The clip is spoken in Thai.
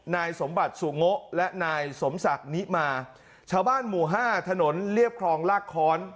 นายสมบัติสุโงะและนายสมศักดิ์นิมาชาวบ้านหมู่ห้าถนนเรียบคลองลากค้อน